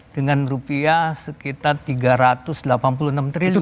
dengan rupiah sekitar rp tiga ratus delapan puluh enam triliun